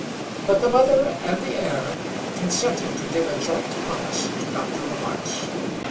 But the mother and the heir consented to give a joint promise to Dr. Robarts.